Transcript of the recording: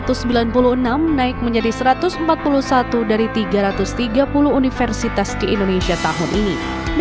uisi menaik menjadi satu ratus empat puluh satu dari tiga ratus tiga puluh universitas di indonesia tahun ini